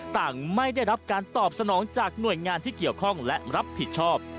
ต่างไม่ได้รับการตอบสนองจากหน่วยงานที่เกี่ยวข้องและรับผิดชอบ